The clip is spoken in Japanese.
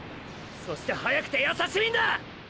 そして速くて優しいんだ！！